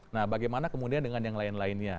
nah bagaimana kemudian dengan yang lain lainnya